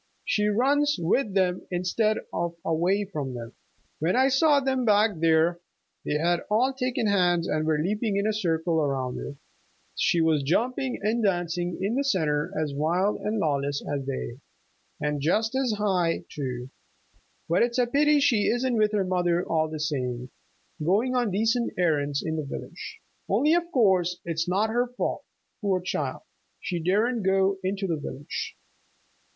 "She runs with them instead of away from them. When I saw them back there they had all taken hands and were leaping in a circle around her. She was jumping and dancing in the center as wild and lawless as they, and just as high, too. ... But it's a pity she isn't with her mother all the same, going on decent errands in the village. Only of course it's not her fault, poor child! She daren't go into the village."